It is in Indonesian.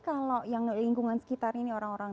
kalau yang lingkungan sekitar ini orang orang